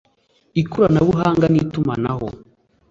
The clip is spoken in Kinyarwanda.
ikoranabuhanga n’itumanaho